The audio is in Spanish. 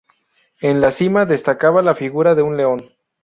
En la cima, destacaba la figura de un león.